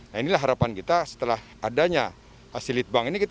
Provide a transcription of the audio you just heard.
nah inilah harapan kita setelah adanya asilitbang ini